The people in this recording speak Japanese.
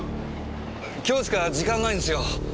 今日しか時間ないんすよ。